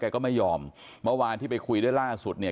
ก็ไม่ยอมเมื่อวานที่ไปคุยด้วยล่าสุดเนี่ย